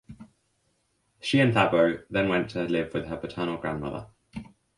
She and Thabo then went to live with her paternal grandmother.